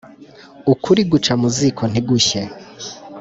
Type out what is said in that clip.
Ukuri guca muziko ntigushye